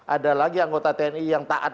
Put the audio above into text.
ada lagi anggota tni yang taat